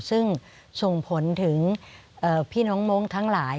ซึ่งส่งผลถึงพี่น้องมงค์ทั้งหลาย